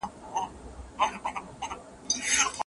زوی خفه نه دی.